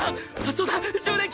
そうだ！